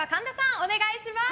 お願いします。